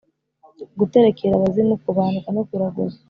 guterekera abazimu, kubandwa no kuraguza.